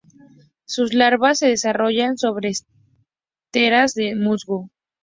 Sus larvas se desarrollan sobre esteras de musgo.